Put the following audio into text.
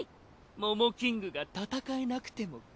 モモキングが戦えなくてもか。